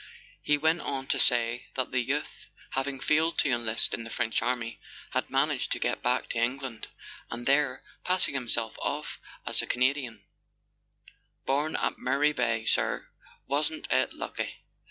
He went on to say that the youth, having failed to enlist in the French army, had managed to get back to England, and there, passing himself off as a Cana¬ dian ("Born at Murray Bay, sir—wasn't it lucky?")